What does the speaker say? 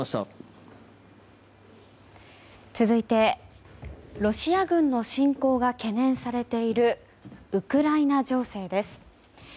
続いてロシア軍の侵攻が懸念されているウクライナ情勢です。